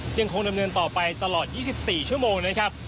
ยังคงดำเนินต่อไปตลอด๒๔ชั่วโมงนะครับ